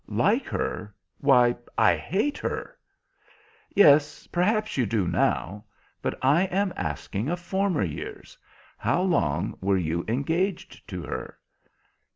"Like her? Why, I hate her." "Yes, perhaps you do now. But I am asking of former years. How long were you engaged to her?"